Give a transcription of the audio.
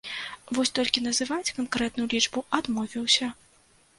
Вось толькі называць канкрэтную лічбу адмовіўся.